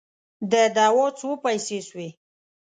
د دوا څو پیسې سوې؟